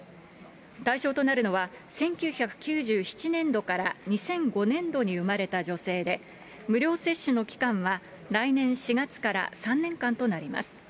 対象となるのは、１９９７年度から２００５年度に生まれた女性で、無料接種の期間は来年４月から３年間となります。